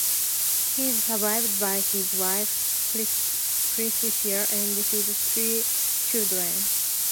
He is survived by his wife Priscilla and his three children.